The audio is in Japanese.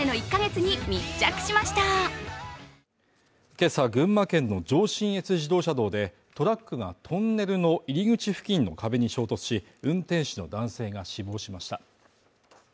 今朝群馬県の上信越自動車道でトラックがトンネルの入口付近の壁に衝突し、運転手の男性が死亡しました。